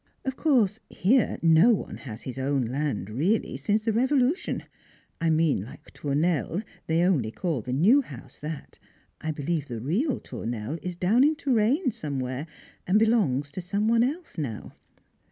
Of course, here no one has his own land really since the Revolution, I mean like "Tournelle," they only call the new house that; I believe the real "Tournelle" is down in Touraine somewhere and belongs to some one else now.